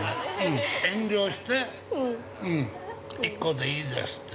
遠慮して、１個でいいですって。